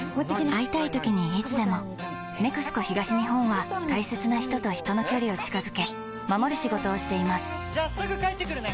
会いたいときにいつでも「ＮＥＸＣＯ東日本」は大切な人と人の距離を近づけ守る仕事をしていますじゃあすぐ帰ってくるね！